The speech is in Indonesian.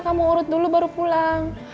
kamu urut dulu baru pulang